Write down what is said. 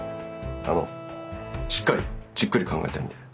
あのしっかりじっくり考えたいんで。